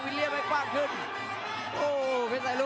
วิลเลี่ยมวิพเคอร์แลกจะต้นใหม่